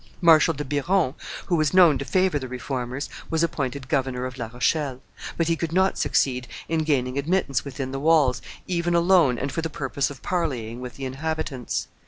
Marshal de Biron, who was known to favor the Reformers, was appointed governor of La Rochelle; but he could not succeed in gaining admittance within the walls, even alone and for the purpose of parleying with the inhabitants.